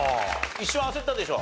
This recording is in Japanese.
一瞬焦ったでしょ？